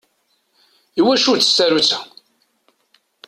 Iwacu-tt tsarutt-a?